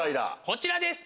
こちらです！